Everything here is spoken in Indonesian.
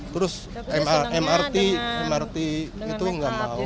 terus mrt itu gak mau